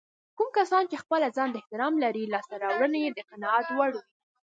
کوم کسان چې خپل ځانته احترام لري لاسته راوړنې يې د قناعت وړ وي.